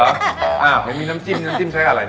อ้าวยังมีน้ำจิ้มน้ำจิ้มใช้อะไรเนี่ย